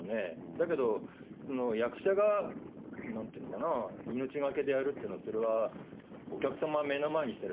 だけど、役者が、なんていうのかな、命懸けでやるっていうのは、それはお客様目の前にしたら、